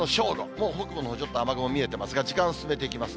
もう北部のほう、ちょっと雨雲が見えてますが時間進めていきます。